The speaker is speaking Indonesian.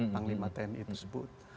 panglima tni tersebut